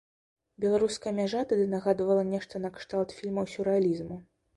Беларуская мяжа тады нагадвала нешта накшталт фільмаў сюррэалізму.